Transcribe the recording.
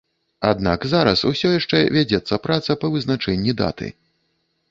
Аднак зараз усё яшчэ вядзецца праца па вызначэнні даты.